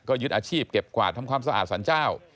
ยึดอาชีพเก็บกวาดทำความสะอาดสรรเจ้า